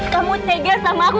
kamu tegas sama aku